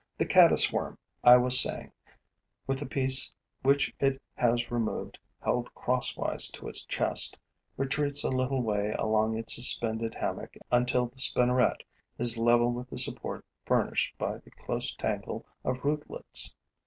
The caddis worm, I was saying, with the piece which it has removed held crosswise to its chest, retreats a little way along its suspended hammock until the spinneret is level with the support furnished by the close tangle of rootlets.